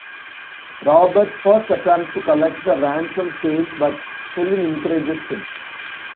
Robert's first attempt to collect the ransom fails but Celine encourages him.